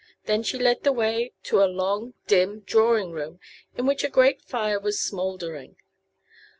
Then she led the way to a long, dim drawing room in which a grate fire was smouldering.